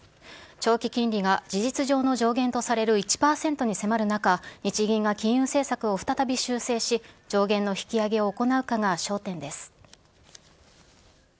長期金利が事実上の上限とされる１％に迫る中、日銀が金融政策を再び修正し、上限の引き上げを行うかが焦点です。